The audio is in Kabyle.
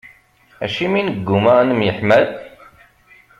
Acimi neggumma ad nemyeḥmal?